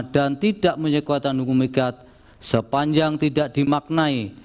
dan tidak menyekuatan hukum ikat sepanjang tidak dimaknai